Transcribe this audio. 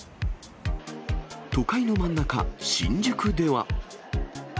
都会の真ん中、新宿では。